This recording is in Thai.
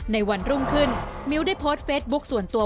ในวันรุ่งขึ้นมิ้วได้โพสต์เฟซบุ๊คส่วนตัว